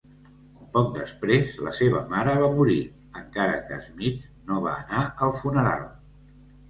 Poc després, la seva mare va morir, encara que Smith no va anar al funeral.